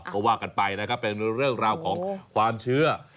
ก็ว่ากันไปนะครับเป็นเรื่องราวของความเชื่อ